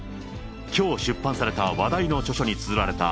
きょう出版された話題の著書につづられた、